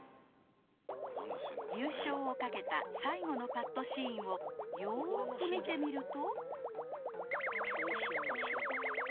優勝をかけた最後のパットシーンをよく見てみると